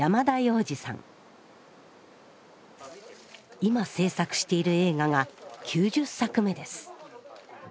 今製作している映画が９０作目です。